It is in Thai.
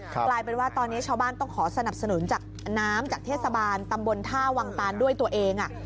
กลายเป็นว่าตอนนี้ชาวบ้านต้องขอสนับสนุนจากน้ำจากเทศบาลตำบลท่าวังตานด้วยตัวเอง